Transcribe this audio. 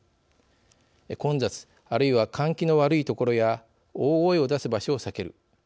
混雑、あるいは換気の悪い所や大声を出す場所を避ける。